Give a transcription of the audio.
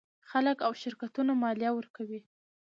خلک او شرکتونه مالیه ورکوي.